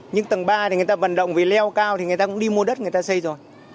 nhưng tầng ba thì người ta vận động vì leo cao thì người ta cũng đi mua đất người ta xây rồi